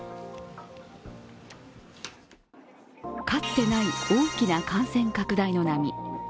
かつてない大きな感染拡大の波。